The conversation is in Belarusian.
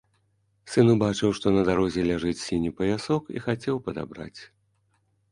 Сын убачыў, што на дарозе ляжыць сіні паясок і хацеў падабраць.